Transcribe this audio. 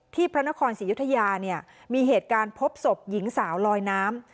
พระนครศรียุธยาเนี่ยมีเหตุการณ์พบศพหญิงสาวลอยน้ำ